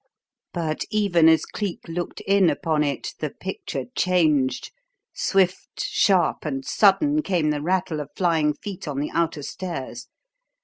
But even as Cleek looked in upon it the picture changed. Swift, sharp, and sudden came the rattle of flying feet on the outer stairs.